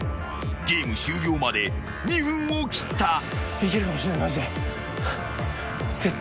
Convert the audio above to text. ［ゲーム終了まで２分を切った］